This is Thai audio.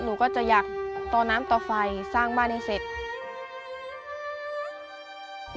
หนูก็จะอยากต่อน้ำต่อไฟสร้างบ้านให้เสร็จ